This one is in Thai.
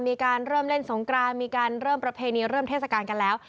มีการเริ่มเล่นสงกรานมีการเริ่มประเพณีเริ่มเทศกาลกันแล้ว